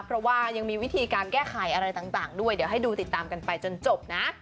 เพราะว่ายังมีวิธีการแก้ไขอะไรต่างด้วยเดี๋ยวให้ดูติดตามกันไปจนจบนะ